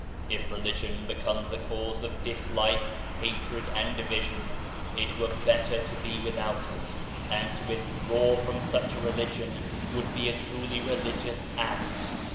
If Religion becomes a cause of dislike, hatred and division, it were better to be without it, and to withdraw from such a Religion would be a truly religious act.